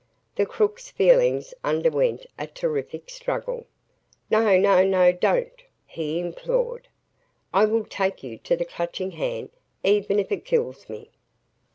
The crook's feelings underwent a terrific struggle. "No no no don't," he implored. "I will take you to the Clutching Hand even if it kills me!"